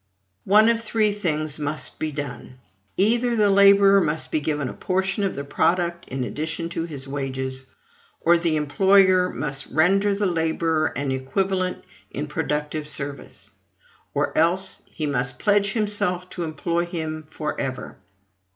One of three things must be done. Either the laborer must be given a portion of the product in addition to his wages; or the employer must render the laborer an equivalent in productive service; or else he must pledge himself to employ him for ever.